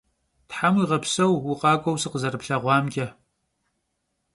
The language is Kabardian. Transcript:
Them vuiğepseu, vukhak'ueu sıkhızerıplheğuamç'e.